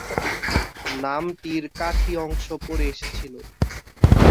নামটির কাঠি অংশ পরে এসেছিল।